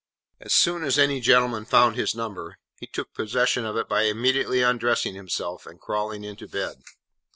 As soon as any gentleman found his number, he took possession of it by immediately undressing himself and crawling into bed.